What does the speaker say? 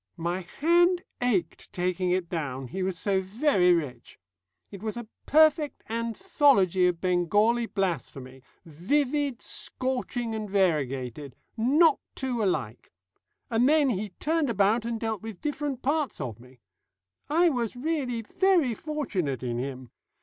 My hand ached taking it down, he was so very rich. It was a perfect anthology of Bengali blasphemy vivid, scorching, and variegated. Not two alike. And then he turned about and dealt with different parts of me. I was really very fortunate in him.